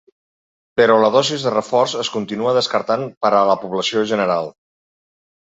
Però la dosi de reforç es continua descartant per a la població general.